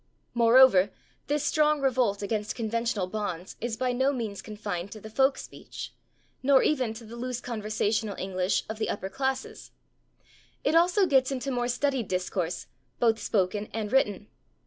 Moreover, this strong revolt against conventional bonds is by no means confined to the folk speech, nor even to the loose conversational English of the upper classes; it also gets into more studied discourse, both spoken and written.